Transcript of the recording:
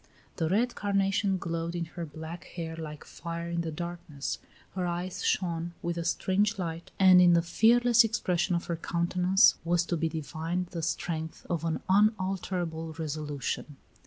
The red carnation glowed in her black hair like fire in the darkness; her eyes shone with a strange light, and in the fearless expression of her countenance was to be divined the strength of an unalterable resolution.